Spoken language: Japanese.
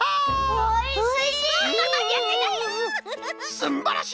すんばらしい